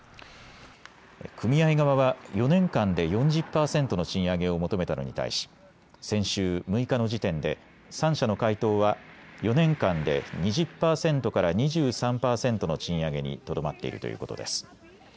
組合側は４年間で４０％の賃上げを求めたのに対し先週６日の時点で３社の回答は４年間で２０％から２３％の賃上げにとどまっているということです。